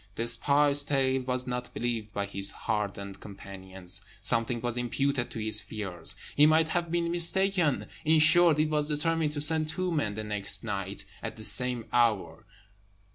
The spy's tale was not believed by his hardened companions; something was imputed to his fears; he might have been mistaken; in short, it was determined to send two men the next night at the same hour.